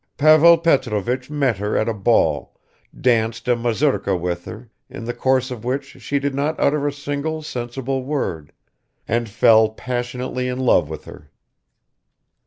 Pavel Petrovich met her at a ball, danced a mazurka with her, in the course of which she did not utter a single sensible word, and fell passionately in love with her.